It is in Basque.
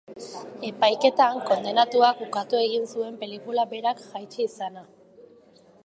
Epaiketan, kondenatuak ukatu egin zuen pelikula berak jaitsi izana.